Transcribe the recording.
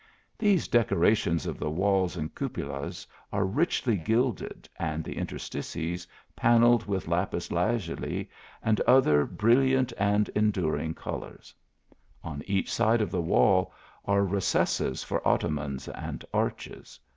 These decorations of the walls and cupolas are richly gilded, and the interstices panelled with lapis lazuli and other brilliant and enduring colours. On each slide of the wall are recesses for ottomans and arches.